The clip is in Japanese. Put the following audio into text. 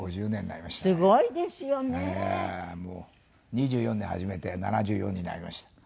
２４で始めて７４になりました。